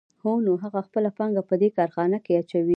نو هغه خپله پانګه په دې کارخانه کې اچوي